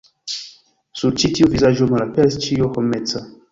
Sur ĉi tiu vizaĝo malaperis ĉio homeca.